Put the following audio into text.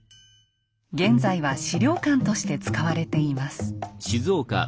現在は資料館として使われています。